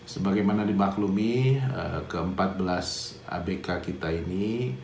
sebagaimana dimaklumi ke empat belas abk kita ini